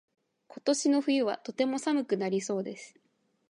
今年の冬はとても寒くなりそうです。